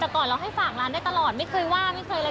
แต่ก่อนเราให้ฝากร้านได้ตลอดไม่เคยว่าไม่เคยอะไร